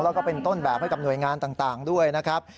แล้วก็เป็นต้นแบบให้กับหน่วยงานต่างด้วยนะครับ